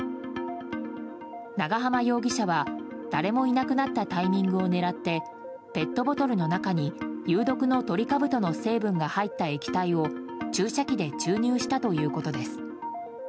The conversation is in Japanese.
長浜容疑者は誰もいなくなったタイミングを狙ってペットボトルの中に有毒のトリカブトの成分が入った液体を注射器で注入したということです。